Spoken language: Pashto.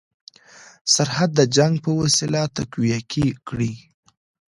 سرحد د جنګ په وسیله تقویه کړي.